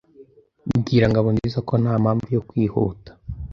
Bwira Ngabonziza ko nta mpamvu yo kwihuta.